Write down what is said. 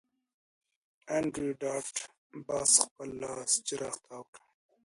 انډریو ډاټ باس خپل لاسي څراغ تاو کړ